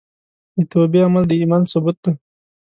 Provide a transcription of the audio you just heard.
د توبې عمل د ایمان ثبوت دی.